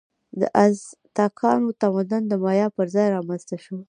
د ازتکانو تمدن د مایا پر ځای رامنځته شو.